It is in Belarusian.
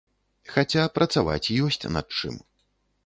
Хаця, працаваць ёсць над чым.